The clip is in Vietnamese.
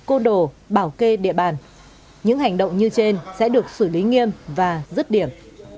cô đồ bảo kê địa bàn những hành động như trên sẽ được xử lý nghiêm và rứt điểm